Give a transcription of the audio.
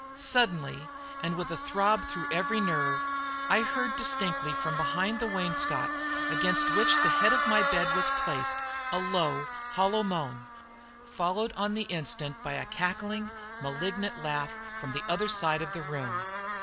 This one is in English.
Suddenly and a throb stung through every nerve I heard distinctly from behind the wainscot against which the head of my bed was placed a low, hollow moan, followed on the instant by a cackling, malignant laugh from the other side of the room.